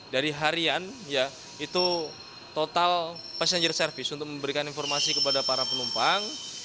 dari harian itu total passenger service untuk memberikan informasi kepada para penumpang